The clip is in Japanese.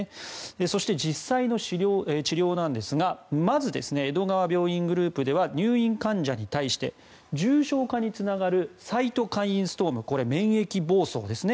そして、実際の治療なんですがまず、江戸川病院グループでは入院患者に対して重症化につながるサイトカインストームこれ、免疫暴走ですね。